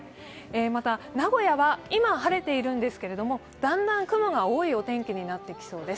また、名古屋は今、晴れているんですけれども、だんだん雲が多いお天気になってきそうです。